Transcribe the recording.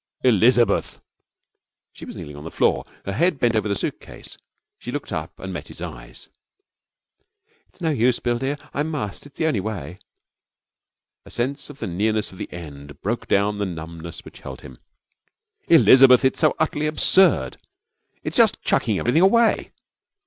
'Elizabeth!' She was kneeling on the floor, her head bent over the suitcase. She looked up and met his eyes. 'It's no use, Bill, dear. I must. It's the only way.' The sense of the nearness of the end broke down the numbness which held him. 'Elizabeth! It's so utterly absurd. It's just chucking everything away!'